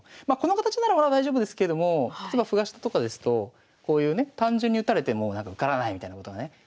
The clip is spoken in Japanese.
まあこの形ならまだ大丈夫ですけれども例えば歩が下とかですとこういうね単純に打たれても受からないみたいなことがね